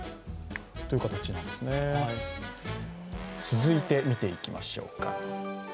続いて見ていきましょうか。